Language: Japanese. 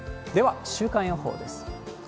では、週間予報です。